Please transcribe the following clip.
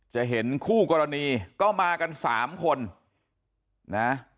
จะเห็นคู่กรณีก็มากันสามคนนะ